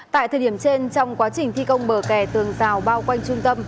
tại thời điểm trên trong quá trình thi công bờ kè tường rào bao quanh trung tâm